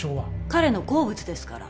彼の好物ですから。